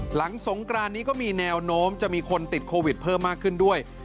หลังสงกรานนี้ก็มีแนวโน้มจะมีคนติดโควิดเพิ่มมากขึ้นด้วย